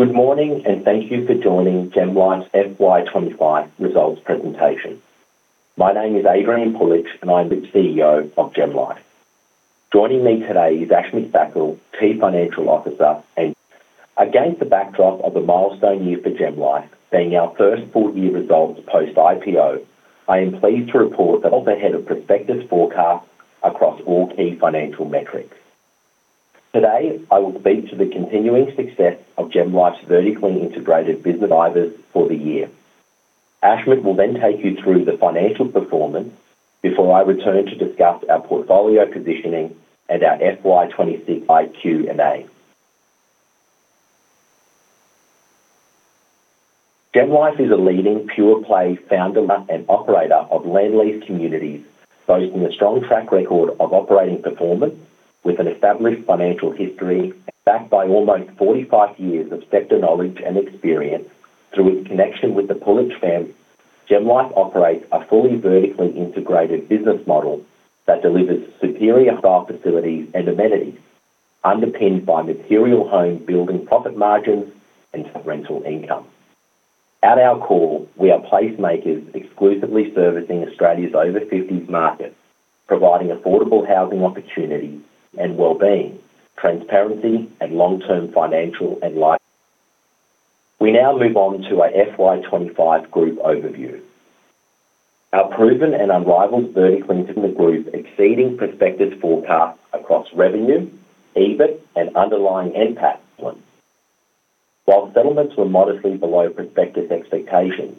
Good morning, and thank you for joining GemLife's FY 2025 results presentation. My name is Adrian Puljich, and I'm the CEO of GemLife. Joining me today is Ashmit Thakral, Chief Financial Officer. Against the backdrop of a milestone year for GemLife, being our first full year results post-IPO, I am pleased to report that ahead of prospectus forecasts across all key financial metrics. Today, I will speak to the continuing success of GemLife's vertically integrated business drivers for the year. Ashmit will then take you through the financial performance before I return to discuss our portfolio positioning and our FY 2026 Q&A. GemLife is a leading pure-play founder and operator of land lease communities, boasting a strong track record of operating performance with an established financial history backed by almost 45 years of sector knowledge and experience through its connection with the Puljich family. GemLife operates a fully vertically integrated business model that delivers superior style facilities and amenities, underpinned by material home building, profit margins, and rental income. At our core, we are placemakers exclusively servicing Australia's over-50s market, providing affordable housing opportunities and well-being, transparency, and long-term financial and life. We now move on to our FY 25 group overview. Our proven and unrivaled vertical integrated group, exceeding prospective forecasts across revenue, EBIT and underlying NPAT. Settlements were modestly below prospective expectations,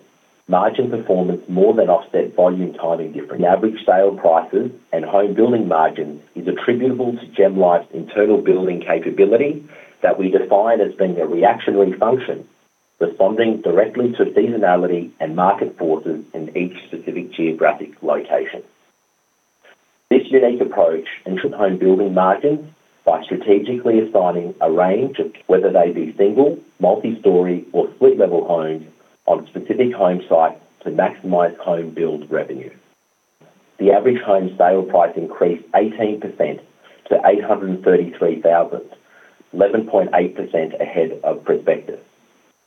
margin performance more than offset volume timing difference. Average sale prices and home building margins is attributable to GemLife's internal building capability that we define as being a reactionary function, responding directly to seasonality and market forces in each specific geographic location. This unique approach ensures home building margins by strategically assigning a range of, whether they be single, multi-story, or split-level homes on specific home sites to maximize home build revenue. The average home sale price increased 18% to 833,000, 11.8% ahead of prospective,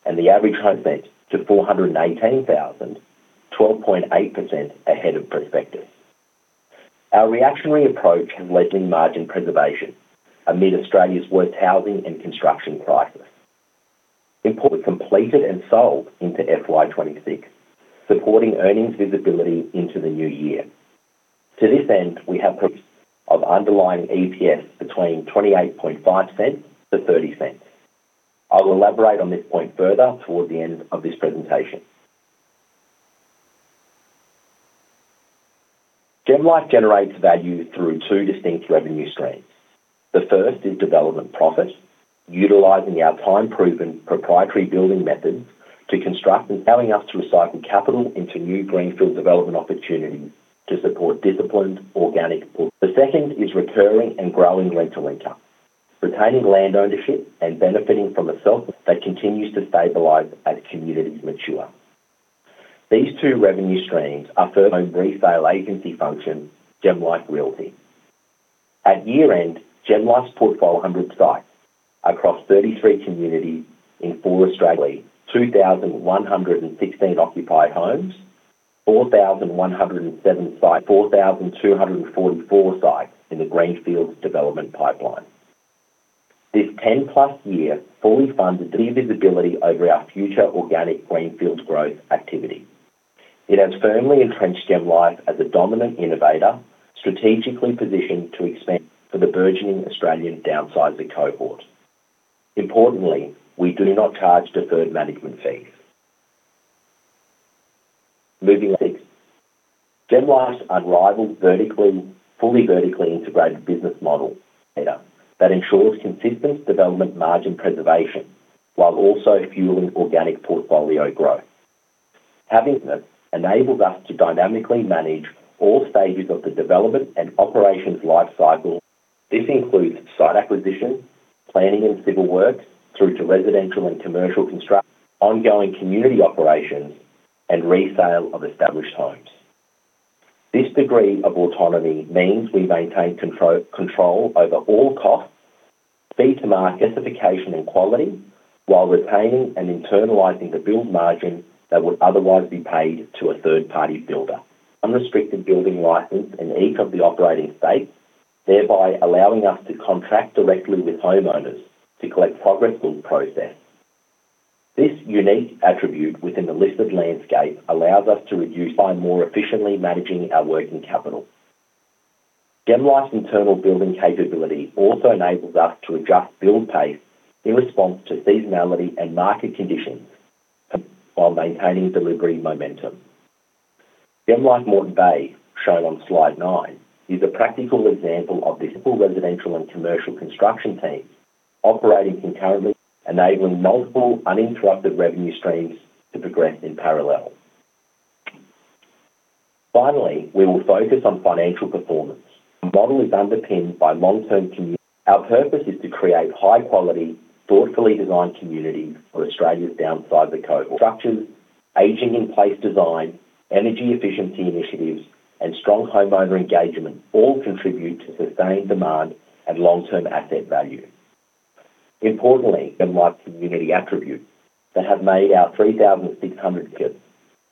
and the average home rent to 418,000, 12.8% ahead of prospective. Our reactionary approach has led to margin preservation amid Australia's worst housing and construction crisis. Import completed and sold into FY26, supporting earnings visibility into the new year. To this end, we have of underlying EPS between 0.285-0.30. I will elaborate on this point further toward the end of this presentation. GemLife generates value through two distinct revenue streams. The first is development profit, utilizing our time-proven proprietary building methods to construct, allowing us to recycle capital into new greenfields development opportunities to support disciplined organic. The second is recurring and growing rental income, retaining land ownership and benefiting from a surplus that continues to stabilize as communities mature. These two revenue streams are home resale agency functions, GemLife Resales. At year-end, GemLife's portfolio hundred sites across 33 communities in four Australia, 2,116 occupied homes, 4,107 sites, 4,244 sites in the greenfields development pipeline. This 10-plus year fully funded visibility over our future organic greenfields growth activity. It has firmly entrenched GemLife as a dominant innovator, strategically positioned to expand for the burgeoning Australian downsizer cohort. Importantly, we do not charge deferred management fees. Moving on. GemLife's unrivaled, fully vertically integrated business model that ensures consistent development, margin preservation, while also fueling organic portfolio growth. Having enabled us to dynamically manage all stages of the development and operations lifecycle. This includes site acquisition, planning and civil works, through to residential and commercial construction, ongoing community operations, and resale of established homes. This degree of autonomy means we maintain control over all costs, speed to market, specification and quality, while retaining and internalizing the build margin that would otherwise be paid to a third-party builder. Unrestricted building license in each of the operating states, thereby allowing us to contract directly with homeowners to collect progress build process. This unique attribute within the listed landscape allows us to reduce by more efficiently managing our working capital. GemLife's internal building capability also enables us to adjust build pace in response to seasonality and market conditions while maintaining delivery momentum. GemLife Moreton Bay, shown on slide nine, is a practical example of this simple residential and commercial construction teams operating concurrently, enabling multiple uninterrupted revenue streams to progress in parallel. Finally, we will focus on financial performance. The model is underpinned by long-term community. Our purpose is to create high-quality, thoughtfully designed communities for Australia's downsizer cohort structures.... aging in place design, energy efficiency initiatives, and strong homeowner engagement all contribute to sustained demand and long-term asset value. Importantly, the large community attributes that have made our 3,600 kids,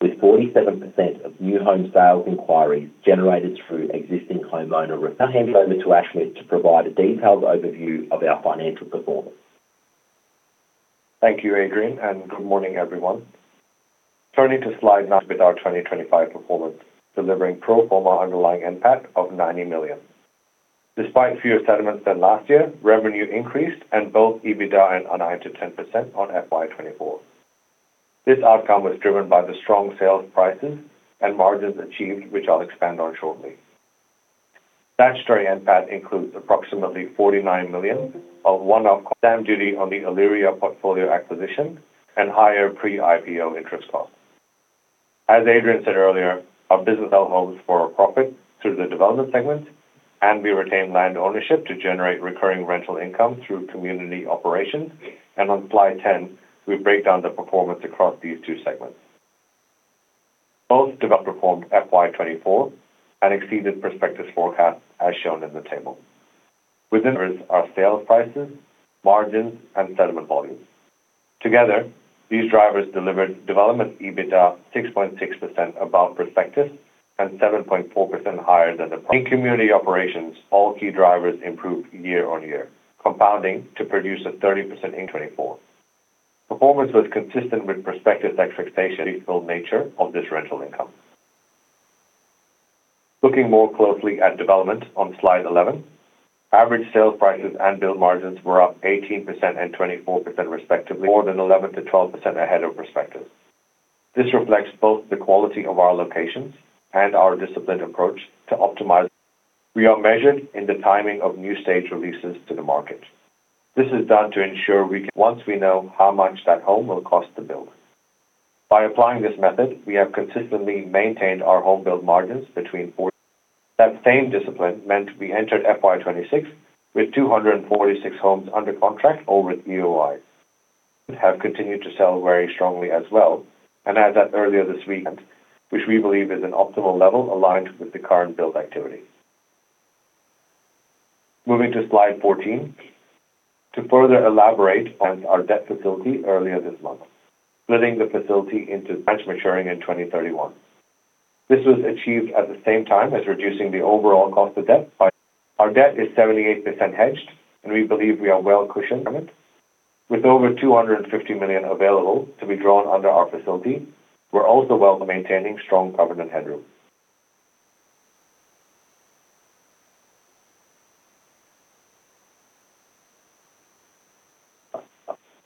with 47% of new home sales inquiries generated through existing homeowner. I'll hand over to Ashmit to provide a detailed overview of our financial performance. Thank you, Adrian. Good morning, everyone. Turning to slide nine with our 2025 performance, delivering pro forma underlying NPAT of 90 million. Despite fewer settlements than last year, revenue increased, and both EBITDA and UNII to 10% on FY24. This outcome was driven by the strong sales prices and margins achieved, which I'll expand on shortly. Statutory NPAT includes approximately 49 million of one-off stamp duty on the Aliria portfolio acquisition and higher pre-IPO interest costs. As Adrian said earlier, our business sell homes for a profit through the development segment, and we retain land ownership to generate recurring rental income through community operations, and on slide 10, we break down the performance across these two segments. Both developer formed FY24 and exceeded prospectus forecasts, as shown in the table. Within are sales prices, margins, and settlement volumes. Together, these drivers delivered development EBITDA 6.6% above prospectus and 7.4% higher than. In community operations, all key drivers improved year-on-year, compounding to produce a 30% in 2024. Performance was consistent with prospectus expectations, nature of this rental income. Looking more closely at development on slide 11, average sales prices and build margins were up 18% and 24%, respectively, more than 11%-12% ahead of prospectus. This reflects both the quality of our locations and our disciplined approach to optimize. We are measured in the timing of new stage releases to the market. This is done to ensure we, once we know how much that home will cost to build. By applying this method, we have consistently maintained our home build margins between four. That same discipline meant we entered FY 2026 with 246 homes under contract over EOIs, have continued to sell very strongly as well, and add that earlier this week, which we believe is an optimal level aligned with the current build activity. Moving to slide 14. To further elaborate on our debt facility earlier this month, splitting the facility into branch maturing in 2031. This was achieved at the same time as reducing the overall cost of debt. Our debt is 78% hedged, and we believe we are well cushioned from it. With over 250 million available to be drawn under our facility, we're also well maintaining strong covenant headroom.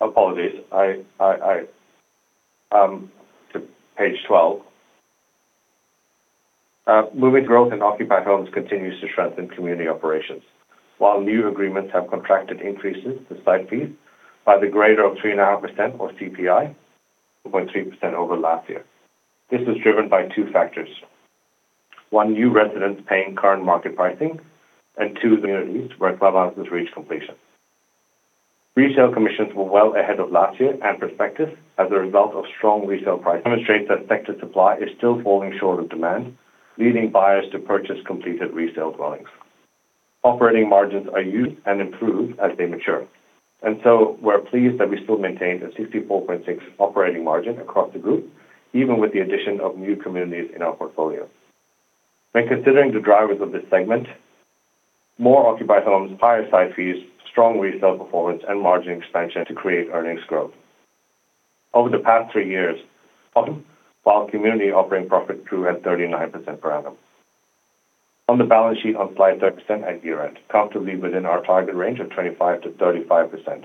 Apologies. I, to page 12. Moving growth in occupied homes continues to strengthen community operations, while new agreements have contracted increases to site fees by the greater of 3.5% or CPI, 0.3% over last year. This is driven by two factors: one, new residents paying current market pricing, and two, communities where clubhouses reach completion. Resale commissions were well ahead of last year and prospectus as a result of strong resale price. Demonstrate that sector supply is still falling short of demand, leading buyers to purchase completed resale dwellings. Operating margins are used and improved as they mature, we're pleased that we still maintained a 64.6% operating margin across the group, even with the addition of new communities in our portfolio. When considering the drivers of this segment, more occupied homes, higher site fees, strong resale performance, and margin expansion to create earnings growth. Over the past three years, while community operating profit grew at 39% per annum. On the balance sheet on slide 13, at year-end, comfortably within our target range of 25%-35%.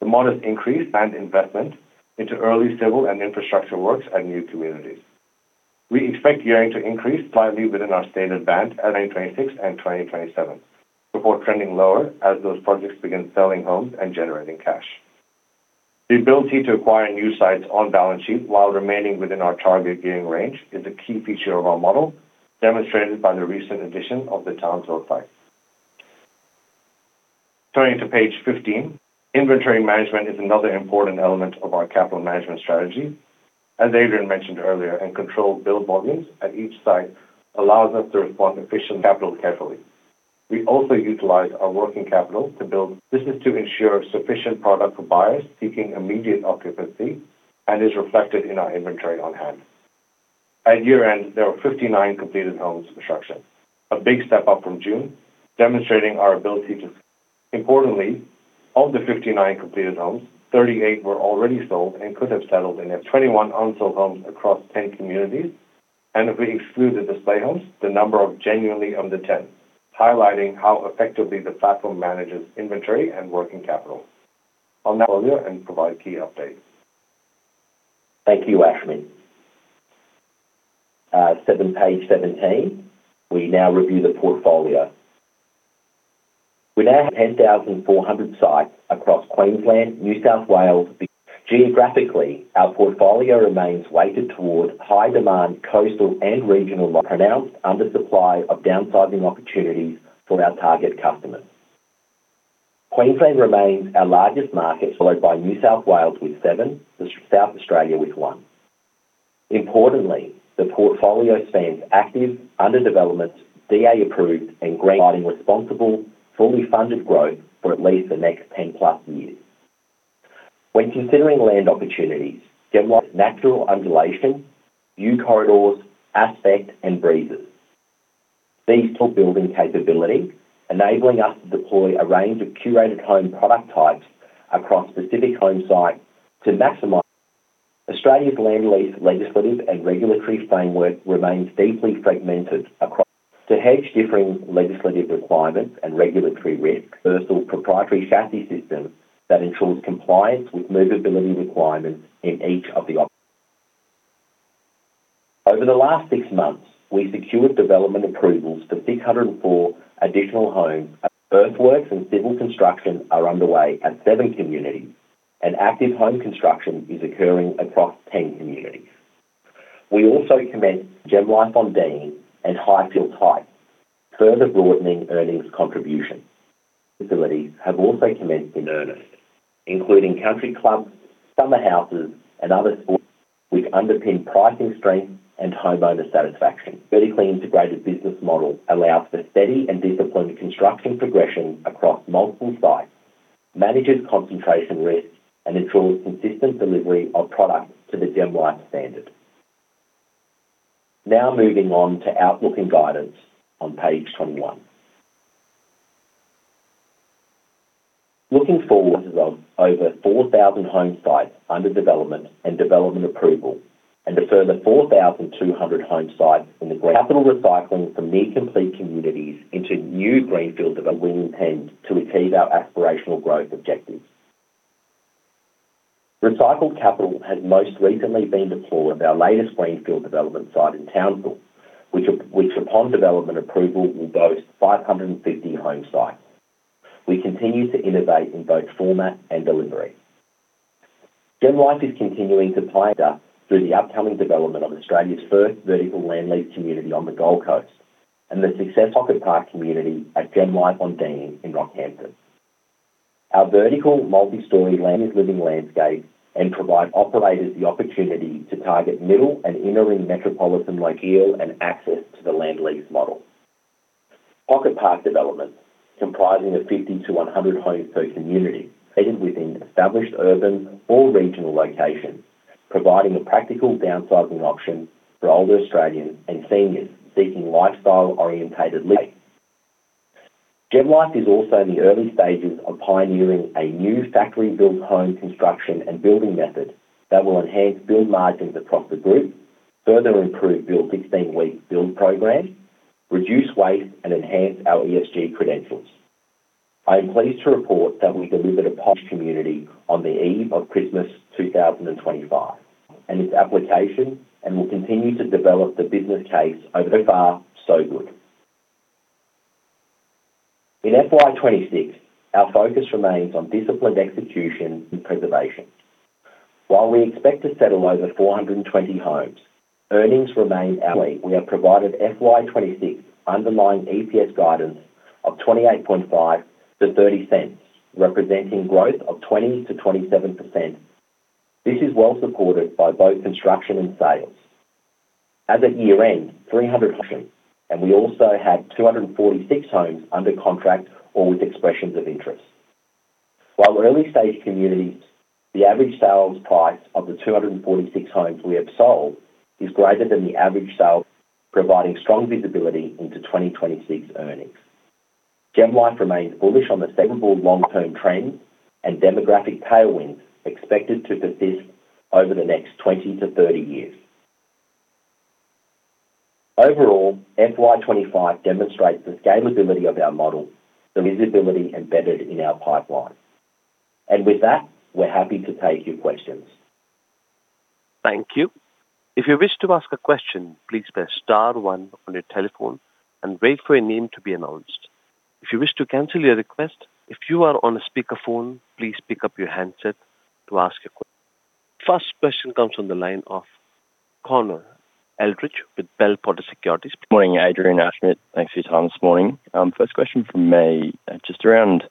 The modest increase and investment into early civil and infrastructure works at new communities. We expect gearing to increase slightly within our stated band at 2026 and 2027, before trending lower as those projects begin selling homes and generating cash. The ability to acquire new sites on balance sheet while remaining within our target gearing range is a key feature of our model, demonstrated by the recent addition of the Townsville site. Turning to page 15, inventory management is another important element of our capital management strategy. As Adrian mentioned earlier, control build volumes at each site allows us to respond efficiently capital carefully. We also utilize our working capital to build. This is to ensure sufficient product for buyers seeking immediate occupancy and is reflected in our inventory on hand. At year-end, there were 59 completed homes construction, a big step up from June, demonstrating our ability to... Importantly, of the 59 completed homes, 38 were already sold and could have settled in our 21 unsold homes across 10 communities, if we exclude the display homes, the number of genuinely under 10, highlighting how effectively the platform manages inventory and working capital. On that, provide key updates. Thank you, Ashmit. Page 17, we now review the portfolio. We now have 10,400 sites across Queensland, New South Wales. Geographically, our portfolio remains weighted toward high-demand coastal and regional pronounced undersupply of downsizing opportunities for our target customers. Queensland remains our largest market, followed by New South Wales with 7, South Australia with 1. Importantly, the portfolio spans active, under development, DA approved, and providing responsible, fully funded growth for at least the next 10+ years. When considering land opportunities, GemLife natural undulation, view corridors, aspect, and breezes. These top building capability, enabling us to deploy a range of curated home product types across specific home sites to maximize. Australia's land lease, legislative, and regulatory framework remains deeply fragmented across. To hedge differing legislative requirements and regulatory risk, universal proprietary chassis system that ensures compliance with movability requirements in each of the. Over the last six months, we secured development approvals for 604 additional homes. Earthworks and civil construction are underway at seven communities, and active home construction is occurring across 10 communities. We also commence GemLife Fontaine and Highfield Heights, further broadening earnings contribution. Facilities have also commenced in earnest, including country clubs, summer houses, and other sports, which underpin pricing strength and homeowner satisfaction. Vertically integrated business model allows for steady and disciplined construction progression across multiple sites, manages concentration risks, and ensures consistent delivery of products to the GemLife standard. Moving on to outlook and guidance on page 21. Looking forward to over 4,000 home sites under development and development approval, and a further 4,200 home sites. Capital recycling from near complete communities into new greenfield development intend to achieve our aspirational growth objectives. Recycled capital has most recently been deployed at our latest greenfield development site in Townsville, which, upon development approval, will boast 550 home sites. We continue to innovate in both format and delivery. GemLife is continuing to pioneer through the upcoming development of Australia's first vertical land lease community on the Gold Coast and the success Pocket Park community at GemLife Fontaine in Rockhampton. Our vertical multi-story land is living landscape and provide operators the opportunity to target middle and inner-ring metropolitan locale and access to the land lease model. Pocket Park development, comprising of 50-100 homes per community, situated within established urban or regional locations, providing a practical downsizing option for older Australians and seniors seeking lifestyle-orientated living. GemLife is also in the early stages of pioneering a new factory-built home construction and building method that will enhance build margins across the group, further improve build 16-week build program, reduce waste, and enhance our ESG credentials. I am pleased to report that we delivered a post community on the eve of Christmas 2025, and its application and will continue to develop the business case. Over far, so good. In FY 26, our focus remains on disciplined execution and preservation. While we expect to settle over 420 homes, earnings remain out. We have provided FY 2026 underlying EPS guidance of 0.285-0.30, representing growth of 20%-27%. This is well supported by both construction and sales. As at year-end, we also had 246 homes under contract or with expressions of interest. While early-stage communities, the average sales price of the 246 homes we have sold is greater than the average sale, providing strong visibility into 2026 earnings. GemLife remains bullish on the favorable long-term trends and demographic tailwinds expected to persist over the next 20-30 years. Overall, FY 2025 demonstrates the scalability of our model, the visibility embedded in our pipeline. With that, we're happy to take your questions. Thank you. If you wish to ask a question, please press star one on your telephone and wait for your name to be announced. If you wish to cancel your request, if you are on a speakerphone, please pick up your handset. First question comes on the line of Connor Eldridge with Bell Potter Securities. Morning, Adrian, Ashmit. Thanks for your time this morning. First question from me, just around,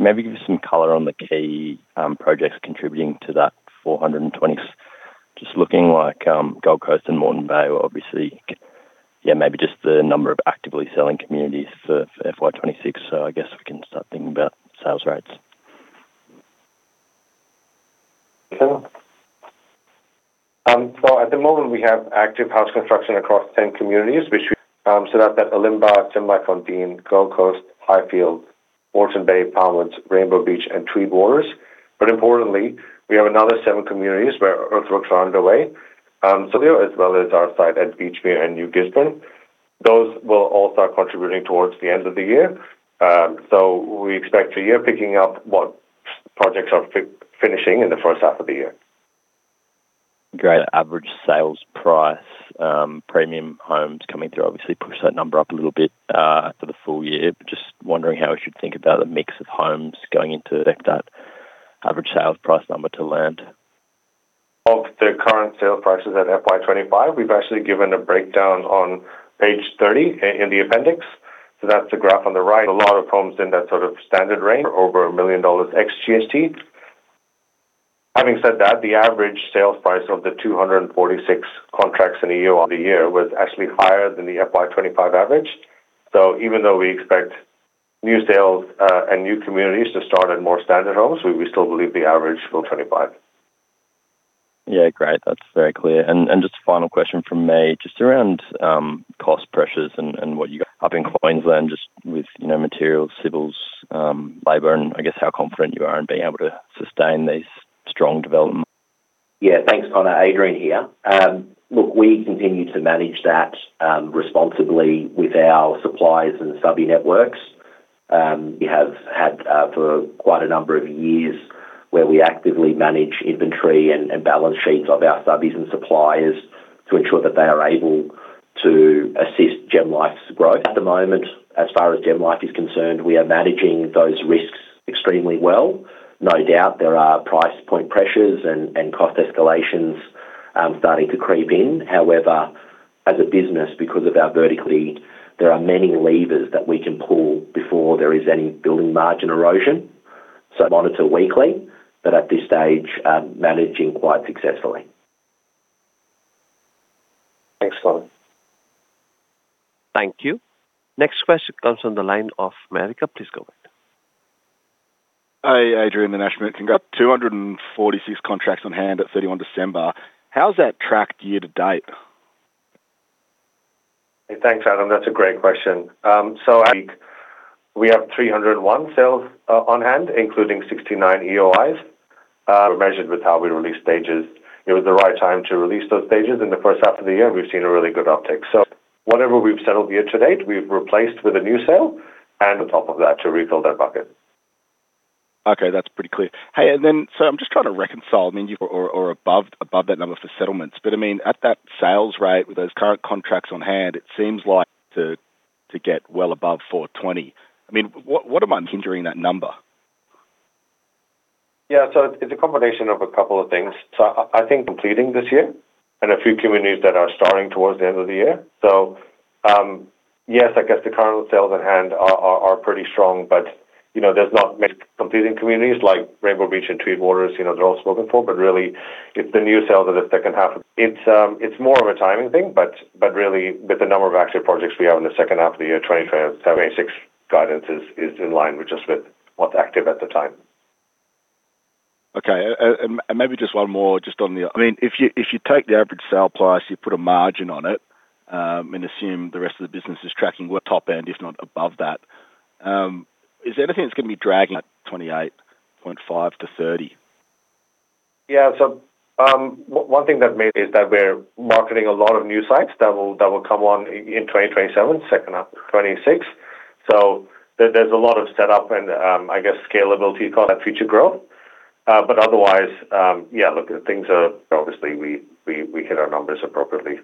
maybe give us some color on the key projects contributing to that 420. Just looking like Gold Coast and Moreton Bay are obviously... Yeah, maybe just the number of actively selling communities for FY 2026, so I guess we can start thinking about sales rates. Sure. At the moment, we have active house construction across 10 communities. That's at Elimbah, GemLife Fontaine, Gold Coast, Highfield, Moreton Bay, Palmwoods, Rainbow Beach, and Three Borders. Importantly, we have another seven communities where earthworks are underway, as well as our site at Beachmere and New Gisborne. Those will all start contributing towards the end of the year. We expect the year picking up what projects are finishing in the first half of the year. Great. Average sales price, premium homes coming through obviously push that number up a little bit, for the full year. Just wondering how we should think about the mix of homes going into that average sales price number to land? Of the current sale prices at FY25, we've actually given a breakdown on page 30 in the appendix. That's the graph on the right. A lot of homes in that sort of standard range, over 1 million dollars ex GST. Having said that, the average sales price of the 246 contracts in a year, on the year was actually higher than the FY25 average. Even though we expect new sales, and new communities to start at more standard homes, we still believe the average will 25. Yeah, great. That's very clear. Just a final question from me, just around cost pressures and what you up in Queensland, just with, you know, materials, civils, labor, and I guess how confident you are in being able to sustain these strong development? Yeah, thanks, Connor. Adrian here. Look, we continue to manage that responsibly with our suppliers and subbie networks. We have had for quite a number of years, where we actively manage inventory and balance sheets of our subbies and suppliers to ensure that they are able to assist GemLife's growth. At the moment, as far as GemLife is concerned, we are managing those risks extremely well. No doubt there are price point pressures and cost escalations starting to creep in. However, as a business, because of our vertically, there are many levers that we can pull before there is any building margin erosion. Monitor weekly, but at this stage, managing quite successfully. Thanks, Connor. Thank you. Next question comes on the line of Adam. Please go ahead. Hi, Adrian and Adrian. You got 246 contracts on hand at 31 December. How's that tracked year to date? Thanks, Adam. That's a great question. We have 301 sales on hand, including 69 EOIs. We measured with how we release stages. It was the right time to release those stages. In the first half of the year, we've seen a really good uptick. Whatever we've settled year to date, we've replaced with a new sale and on top of that to refill that bucket. Okay, that's pretty clear. I'm just trying to reconcile, I mean, you or above that number for settlements, but I mean, at that sales rate, with those current contracts on hand, it seems like to get well above 420. I mean, what am I hindering that number? It's a combination of a couple of things. I think completing this year and a few communities that are starting towards the end of the year. Yes, I guess the current sales at hand are pretty strong, but, you know, there's not many competing communities like Rainbow Beach and Tweed Waters, you know, they're all spoken for, but really it's the new sales of the second half. It's more of a timing thing, but really with the number of active projects we have in the second half of the year, 2025, 2026 guidance is in line with just with what's active at the time. Maybe just one more just on the... I mean, if you, if you take the average sale price, you put a margin on it, and assume the rest of the business is tracking with top end, if not above that, is there anything that's going to be dragging at 28.5%-30%? Yeah. One thing that made is that we're marketing a lot of new sites that will come on in 2027, second half 2026. There, there's a lot of set up and, I guess scalability call that future growth. Otherwise, yeah, look, things are obviously we hit our numbers appropriately.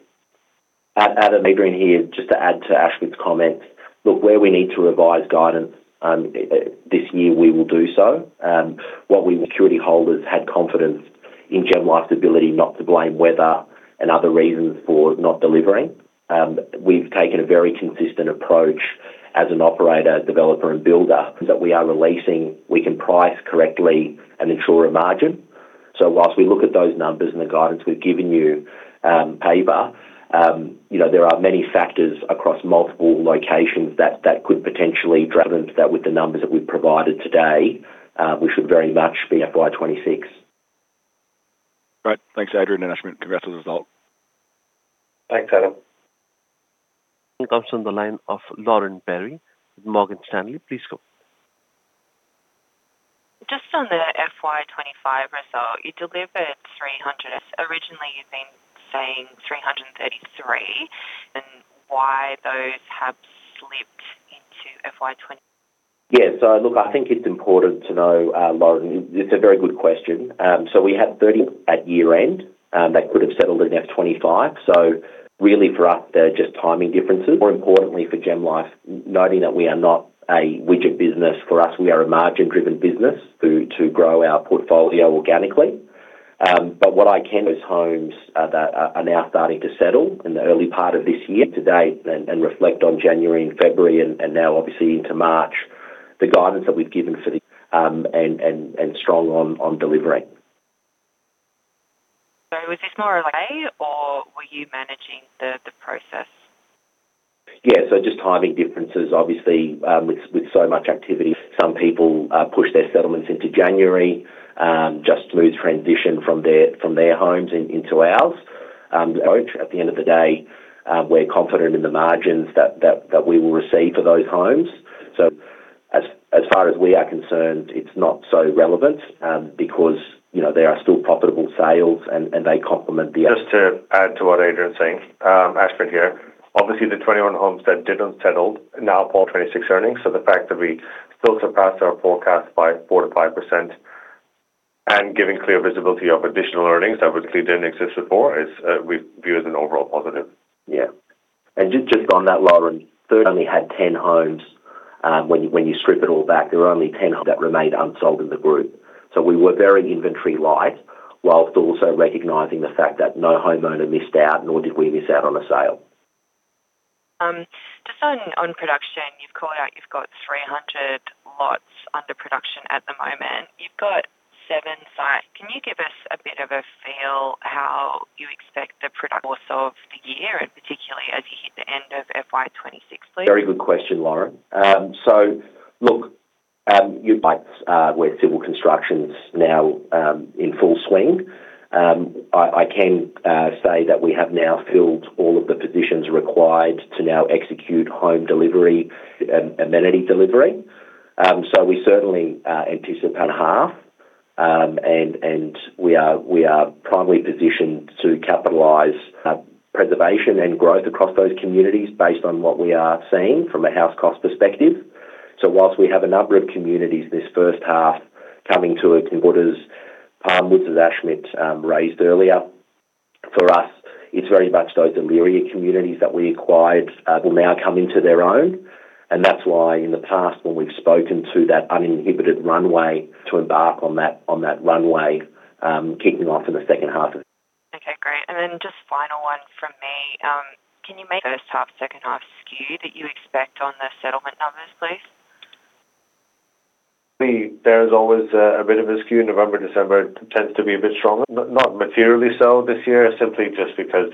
Adam, Adrian here, just to add to Ashmit's comments. Look, where we need to revise guidance this year, we will do so. What we security holders had confidence in GemLife's ability not to blame weather and other reasons for not delivering. We've taken a very consistent approach as an operator, developer, and builder, that we are releasing, we can price correctly and ensure a margin. Whilst we look at those numbers and the guidance we've given you, paper, you know, there are many factors across multiple locations that could potentially drag them, that with the numbers that we've provided today, we should very much be FY 2026. Great. Thanks, Adrian and Ashmit. Congrats on the result. Thanks, Adam. Comes on the line of Lauren Perry, Morgan Stanley. Please go. Just on the FY 2025 result, you delivered 300. Originally, you've been saying 333, and why those have slipped into FY 20- Look, I think it's important to know, Lauren, it's a very good question. We had 30 at year-end, that could have settled in F 25. Really for us, they're just timing differences. More importantly, for GemLife, noting that we are not a widget business. For us, we are a margin-driven business who to grow our portfolio organically. Those homes that are now starting to settle in the early part of this year to date and reflect on January and February and now obviously into March, the guidance that we've given for the, and strong on delivering. Was this more like or were you managing the process? Just timing differences, obviously, with so much activity, some people push their settlements into January, just smooth transition from their homes into ours. At the end of the day, we're confident in the margins that we will receive for those homes. As far as we are concerned, it's not so relevant, because, you know, they are still profitable sales and they complement the. Just to add to what Adrian is saying, Ashmit here, obviously, the 21 homes that didn't settle now fall 26 earnings. The fact that we still surpassed our forecast by 4%-5% and giving clear visibility of additional earnings that clearly didn't exist before, is, we view as an overall positive. Yeah. Just on that, Lauren, Third only had 10 homes. When you strip it all back, there were only 10 that remained unsold in the group. We were very inventory light, whilst also recognizing the fact that no homeowner missed out, nor did we miss out on a sale. Just on production, you've called out you've got 300 lots under production at the moment. You've got seven sites. Can you give us a bit of a feel how you expect the product course of the year, and particularly as you hit the end of FY 2026, please? Very good question, Lauren. Look, you might where civil construction's now in full swing. I can say that we have now filled all of the positions required to now execute home delivery and amenity delivery. We certainly anticipate half, and we are primarily positioned to capitalize preservation and growth across those communities based on what we are seeing from a house cost perspective. Whilst we have a number of communities, this first half coming to what is, which is Ashmit, raised earlier, for us, it's very much those Aliria communities that we acquired, will now come into their own. That's why in the past, when we've spoken to that uninhibited runway to embark on that runway, kicking off in the second half of- Okay, great. Just final one from me. Can you make first half, second half skew that you expect on the settlement numbers, please? There is always a bit of a skew. November, December tends to be a bit stronger, not materially so this year, simply just because,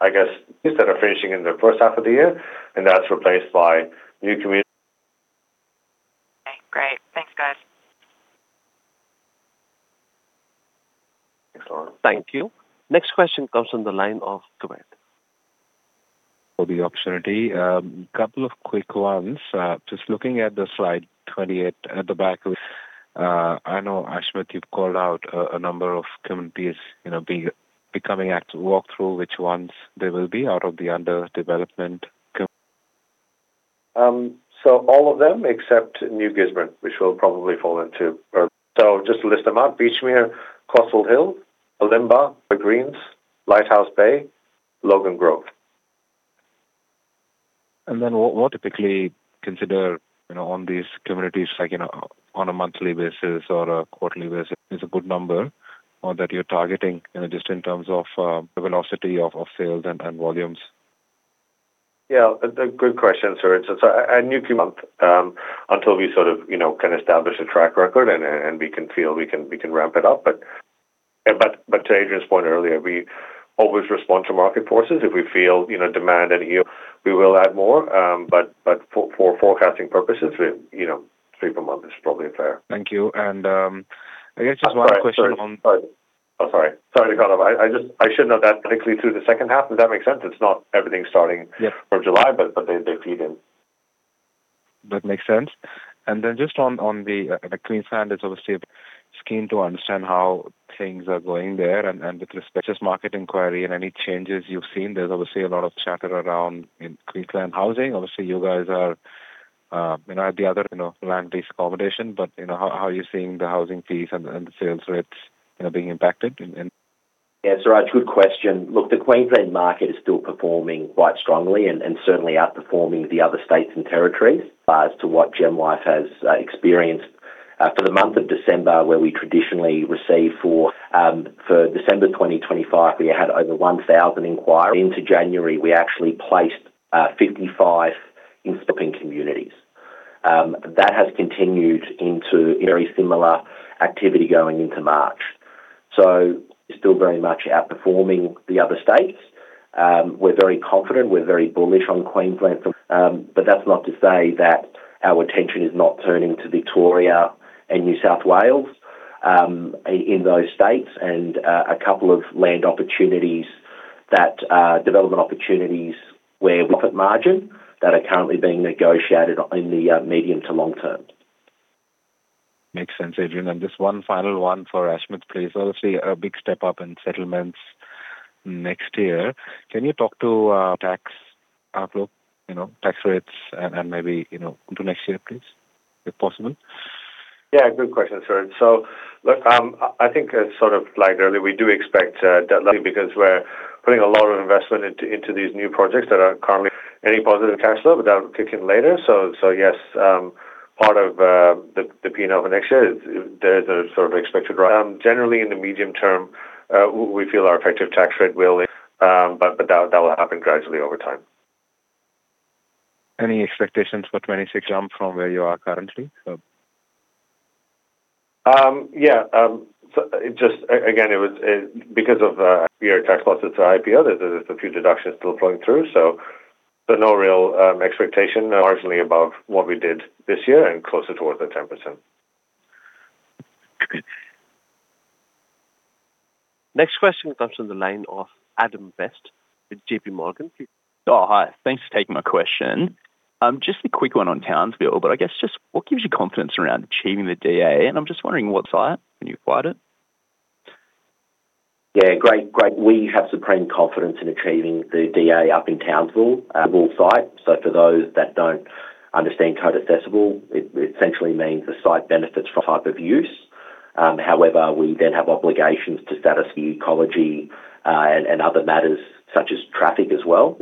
I guess instead of finishing in the first half of the year, that's replaced by new community. Great. Thanks, guys. Thank you. Next question comes from the line of Suraj. For the opportunity. A couple of quick ones. Just looking at the slide 28 at the back, I know, Ashmit, you've called out number of communities, you know, being becoming active. Walk through which ones they will be out of the under development. All of them except New Gisborne, which will probably fall into. Just to list them out, Beachmere, Cotswold Hills, Elimbah, The Greens, Lighthouse Bay, Logan Grove. Then what typically consider, you know, on these communities, like, you know, on a monthly basis or a quarterly basis, is a good number, or that you're targeting, you know, just in terms of the velocity of sales and volumes? A good question, sir. A new month, until we sort of, you know, can establish a track record and we can feel we can ramp it up but to Adrian's point earlier, we always respond to market forces. If we feel, you know, demand any year, we will add more, but for forecasting purposes, we, you know, three per month is probably fair. Thank you. I guess just one question on- Oh, sorry. Sorry to cut off. I should note that particularly through the second half. Does that make sense? It's not everything starting- Yeah. from July, but they feed in. That makes sense. Then just on the Queensland, it's obviously keen to understand how things are going there and with respect to market inquiry and any changes you've seen, there's obviously a lot of chatter around in Queensland housing. Obviously, you guys are, you know, at the other, you know, land-based accommodation, but, you know, how are you seeing the housing fees and the sales rates, you know, being impacted? Yeah, Saraj, good question. Look, the Queensland market is still performing quite strongly, and certainly outperforming the other states and territories as to what GemLife has experienced. For the month of December, where we traditionally receive for December 2025, we had over 1,000 inquiry. Into January, we actually placed 55 in stopping communities. That has continued into very similar activity going into March. It's still very much outperforming the other states. We're very confident, we're very bullish on Queensland. That's not to say that our attention is not turning to Victoria and New South Wales in those states and a couple of development opportunities where profit margin that are currently being negotiated on in the medium to long term. Makes sense, Adrian. Just one final one for Ashmit, please. Obviously, a big step up in settlements next year. Can you talk to tax outlook, you know, tax rates and maybe, you know, into next year, please, if possible? Yeah, good question, sir. Look, I think as sort of like earlier, we do expect because we're putting a lot of investment into these new projects that are currently any positive cash flow, but they are kicking later. Yes, part of the PNL of next year is, there are sort of expected, generally in the medium term, we feel our effective tax rate will, but that will happen gradually over time. Any expectations for 26 jump from where you are currently? Yeah. Just again, it was, because of, your tax losses to IPO, there's a few deductions still flowing through, so, but no real, expectation largely about what we did this year and closer towards the 10%. Next question comes from the line of Adam Best with JP Morgan. Hi. Thanks for taking my question. Just a quick one on Townsville, but I guess just what gives you confidence around achieving the DA? I'm just wondering what site, when you acquired it? Great. We have supreme confidence in achieving the DA up in Townsville, wall site. For those that don't understand code assessable, it essentially means the site benefits from type of use. We then have obligations to satisfy ecology and other matters such as traffic as well,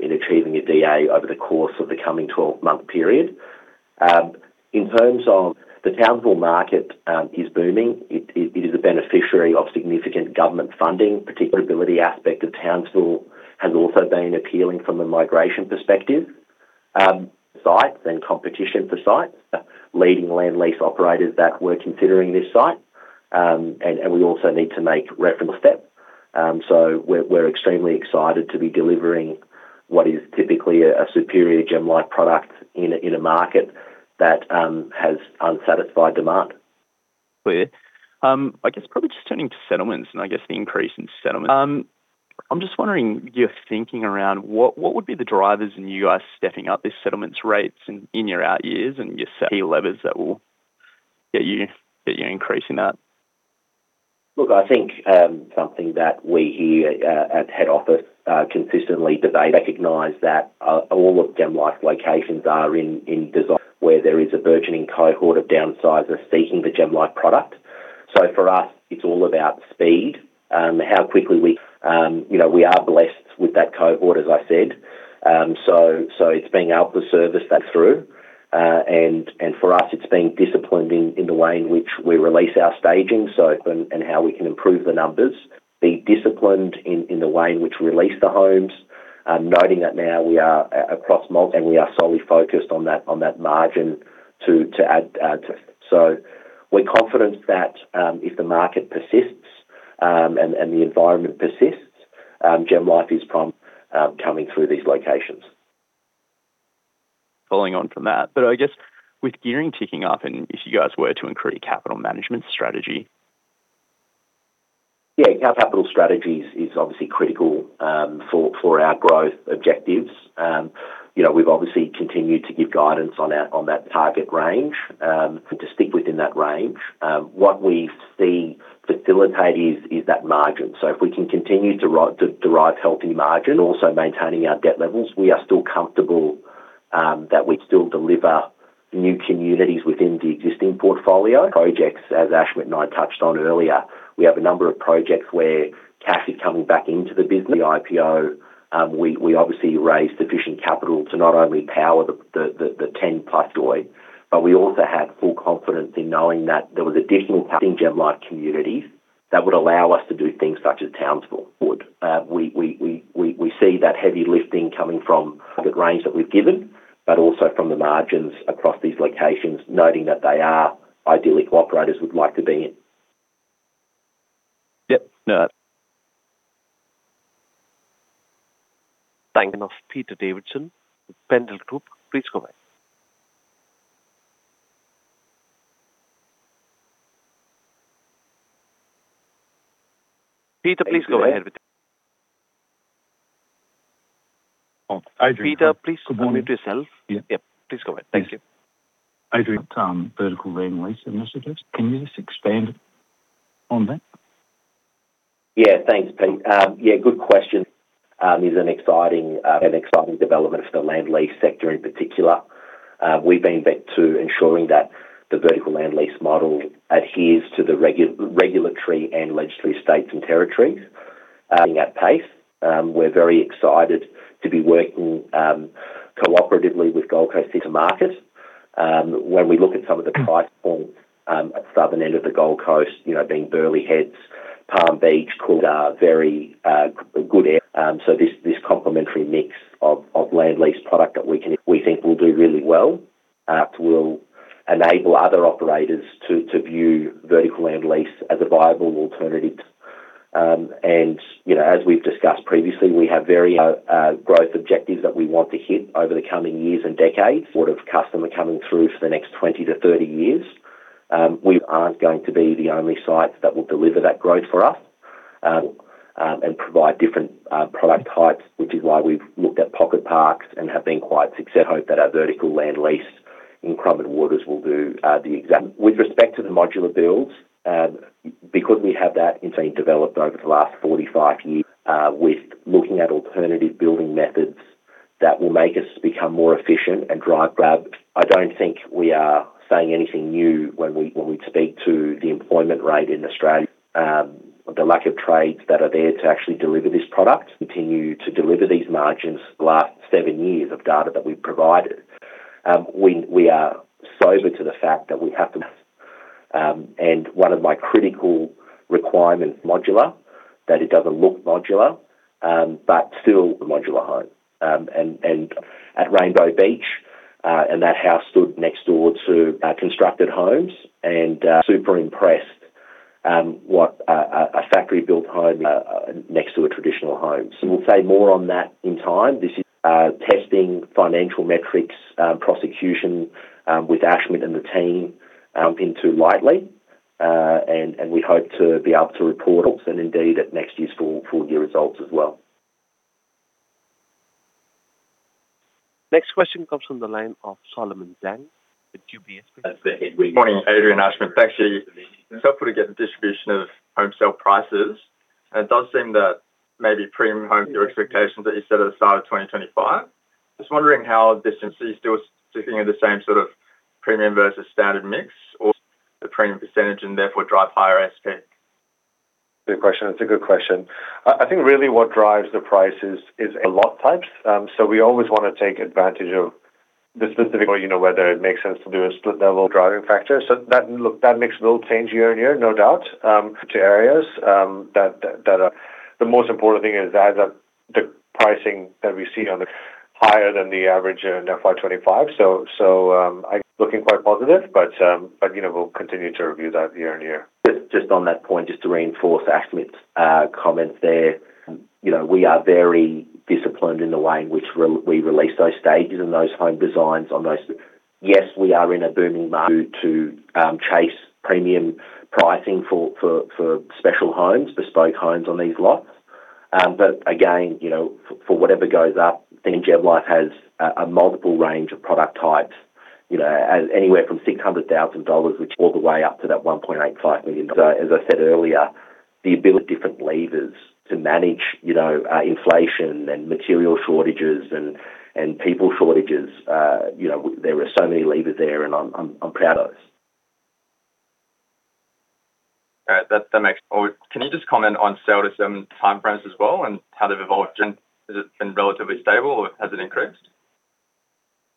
in achieving a DA over the course of the coming 12-month period. In terms of the Townsville market is booming. It is a beneficiary of significant government funding, particularly ability aspect of Townsville has also been appealing from a migration perspective, site and competition for site, leading land lease operators that were considering this site. And we also need to make reference step. We're extremely excited to be delivering what is typically a superior GemLife product in a market that has unsatisfied demand. Clear. I guess probably just turning to settlements and I guess the increase in settlements. I'm just wondering your thinking around what would be the drivers in you guys stepping up these settlements rates in your out years and your key levers that will get you increasing that? Look, I think, something that we here at head office consistently debate, recognize that all of GemLife locations are in design where there is a burgeoning cohort of downsizers seeking the GemLife product. For us, it's all about speed, how quickly we, you know, we are blessed with that cohort, as I said. It's being able to service that through, and for us, it's being disciplined in the way in which we release our staging, and how we can improve the numbers. Be disciplined in the way in which we release the homes, noting that now we are across multi, and we are solely focused on that margin to add to. We're confident that, if the market persists, and the environment persists, GemLife is prompt coming through these locations. Following on from that, I guess with gearing ticking up and if you guys were to increase capital management strategy. Yeah, our capital strategy is obviously critical, for our growth objectives. You know, we've obviously continued to give guidance on that target range, and to stick within that range. What we see facilitate is that margin. If we can continue to derive healthy margin, and also maintaining our debt levels, we are still comfortable that we still deliver new communities within the existing portfolio. Projects, as Ashmit and I touched on earlier, we have a number of projects where cash is coming back into the business. The IPO, we obviously raised sufficient capital to not only power the 10-plus story, but we also had full confidence in knowing that there was additional GemLife Communities that would allow us to do things such as Townsville. Would we see that heavy lifting coming from the range that we've given, but also from the margins across these locations, noting that they are ideally cooperators would like to be in. Yep. No. Thank you. Peter Davidson, Pendal Group, please go ahead. Peter, please go ahead. Oh, Adrian... Adrian. Peter, please mute yourself. Yeah. Yep, please go ahead. Thank you. Adrian, vertical land lease initiatives. Can you just expand on that? Thanks, Pete. Good question. It is an exciting, an exciting development for the land lease sector in particular. We've been bent to ensuring that the vertical land lease model adheres to the regulatory and legislative states and territories. Being at pace, we're very excited to be working cooperatively with Gold Coast to market. When we look at some of the price points at the southern end of the Gold Coast, you know, being Burleigh Heads, Palm Beach, are very good. This, this complementary mix of land lease product that we think will do really well, will enable other operators to view vertical land lease as a viable alternative. You know, as we've discussed previously, we have very growth objectives that we want to hit over the coming years and decades. What of customer coming through for the next 20 to 30 years, we aren't going to be the only sites that will deliver that growth for us, and provide different product types, which is why we've looked at Pocket Parks and have been quite hope that our vertical land lease in Currumbin Waters will do the exact. With respect to the modular builds, because we have that in being developed over the last 45 years, with looking at alternative building methods that will make us become more efficient and drive grab. I don't think we are saying anything new when we speak to the employment rate in Australia, the lack of trades that are there to actually deliver this product, continue to deliver these margins the last seven years of data that we've provided. We are sober to the fact that we have to, and one of my critical requirements, modular, that it doesn't look modular, but still the modular home. At Rainbow Beach, and that house stood next door to constructed homes and super impressed what a factory-built home next to a traditional home. We'll say more on that in time. This is testing financial metrics, prosecution, with Ashmit and the team, into lightly, and we hope to be able to report and indeed at next year's full year results as well. Next question comes from the line of Solomon Zhang with UBS. Good morning, Adrian and Ashmit. Actually, it's helpful to get the distribution of-... prices, and it does seem that maybe premium homes, your expectations that you set at the start of 2025. Just wondering how this is still sitting in the same sort of premium versus standard mix or the premium percentage and therefore drive higher SP? Good question. It's a good question. I think really what drives the prices is a lot types. We always wanna take advantage of the specific or, you know, whether it makes sense to do a split level driving factor. That, look, that mix will change year on year, no doubt, to areas that the most important thing is that the pricing that we see on the higher than the average in FY 25. I'm looking quite positive, you know, we'll continue to review that year on year. Just on that point, to reinforce Ashmit's comments there. You know, we are very disciplined in the way in which we release those stages and those home designs on those. Yes, we are in a booming market to chase premium pricing for special homes, bespoke homes on these lots. Again, you know, for whatever goes up, GemLife has a multiple range of product types, you know, as anywhere from 600,000 dollars all the way up to that 1.85 million. As I said earlier, the ability of different levers to manage, you know, inflation and material shortages and people shortages, you know, there are so many levers there, and I'm proud of those. All right, Can you just comment on sale to some timeframes as well and how they've evolved? Has it been relatively stable, or has it increased?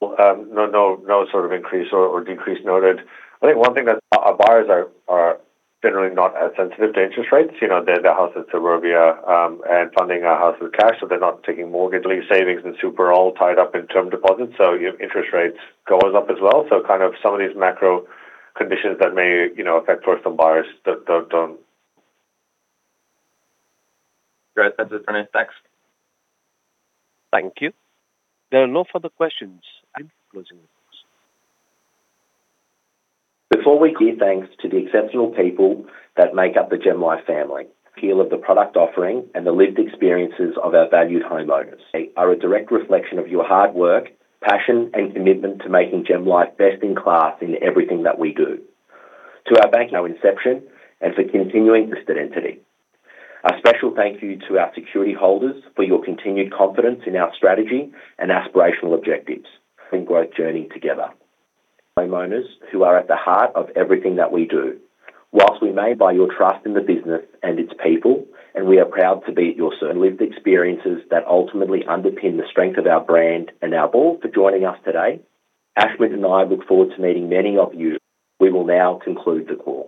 No sort of increase or decrease noted. I think one thing that our buyers are generally not as sensitive to interest rates. You know, their house in suburbia, and funding a house with cash, so they're not taking mortgage, leave savings and super all tied up in term deposits, so if interest rates goes up as well. Kind of some of these macro conditions that may, you know, affect personal buyers, don't. Great. That's it for next. Thank you. There are no further questions. Closing remarks. Before we give thanks to the exceptional people that make up the GemLife family, appeal of the product offering and the lived experiences of our valued homeowners. They are a direct reflection of your hard work, passion, and commitment to making GemLife best in class in everything that we do. To our bank, no inception, and for continuing trusted entity. A special thank you to our security holders for your continued confidence in our strategy and aspirational objectives and growth journey together. Homeowners who are at the heart of everything that we do. Whilst we made by your trust in the business and its people, and we are proud to be at your service, and lived experiences that ultimately underpin the strength of our brand and our board. For joining us today, Ashmit and I look forward to meeting many of you. We will now conclude the call.